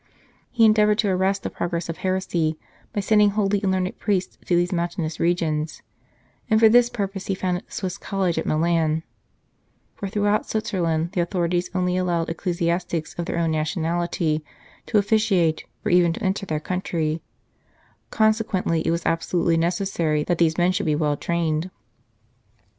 He endeavoured to arrest the progress of heresy, by sending holy and learned priests to these mountainous regions, and for this purpose he founded the Swiss College at Milan : for through out Switzerland the authorities only allowed ecclesiastics of their own nationality to officiate, or even to enter their country ; consequently it was absolutely necessary that these men should be well trained.